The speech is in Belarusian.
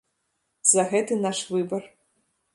За гэты наш выбар.